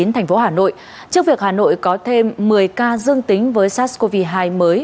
tp hà nội trước việc hà nội có thêm một mươi ca dương tính với sars cov hai mới